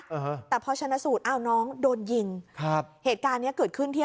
เออฮะแต่พอชนะสูตรอ้าวน้องโดนยิงครับเหตุการณ์เนี้ยเกิดขึ้นที่